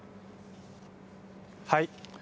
はい。